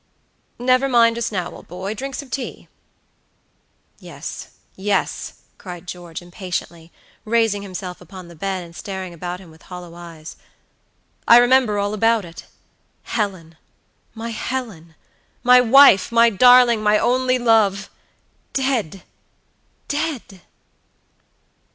"Never mind just now, old boy; drink some tea." "Yes, yes," cried George, impatiently, raising himself upon the bed, and staring about him with hollow eyes. "I remember all about it. Helen! my Helen! my wife, my darling, my only love! Dead, dead!"